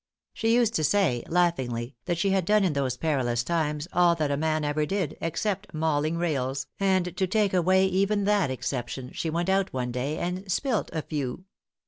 She used to say, laughingly, that she had done in those perilous times all that a man ever did, except "mauling rails;" and to take away even that exception she went out one day and spilt a few.